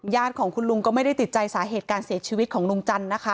ญาติของคุณลุงก็ไม่ได้ติดใจสาเหตุการเสียชีวิตของลุงจันทร์นะคะ